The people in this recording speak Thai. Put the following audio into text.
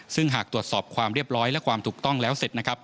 ซึ่งหากตรวจสอบความเรียบร้อยและความถูกต้องแล้วเสร็จนะครับ